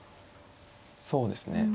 そうですね。